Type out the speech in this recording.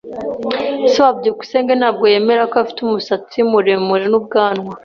Se wa byukusenge ntabwo yemera ko afite umusatsi muremure n'ubwanwa.